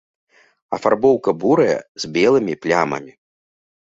Афарбоўка бурая з белымі плямамі.